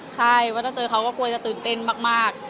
ใช่ว่าถ้าเจอเขาก็กลัวจะตื่นเต้นมาก